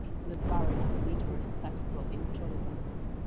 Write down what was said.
He was buried at the Nidaros Cathedral in Trondheim.